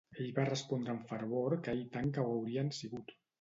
Ell va respondre amb fervor que i tant que ho haurien sigut.